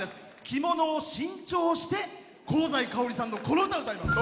着物を新調して香西かおりさんのこの歌を歌います。